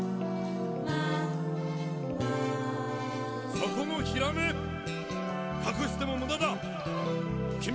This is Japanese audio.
「そこのヒラメーかくしてもむだだー